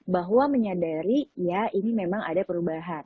bahwa menyadari ya ini memang ada perubahan